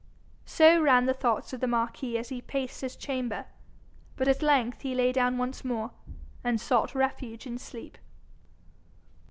So ran the thoughts of the marquis as he paced his chamber. But at length he lay down once more, and sought refuge in sleep.